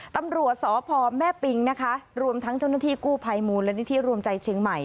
ตำรวจสพแม่ปิงนะคะรวมทั้งเจ้าหน้าที่กู้ภัยมูลนิธิรวมใจเชียงใหม่